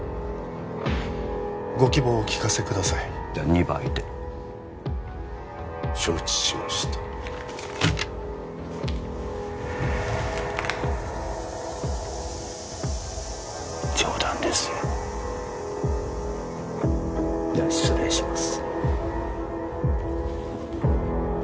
ご希望をお聞かせくださいじゃ２倍で承知しました冗談ですよじゃ失礼します